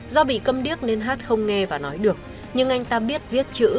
do bị cầm điếc nên hát không nghe và nói được nhưng anh ta biết viết chữ